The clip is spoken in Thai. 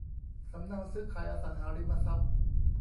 สำเนาซื้อขายอสังหาริมทรัพย์